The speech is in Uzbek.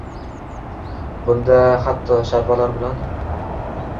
Bunda hatto sharpalar bilan.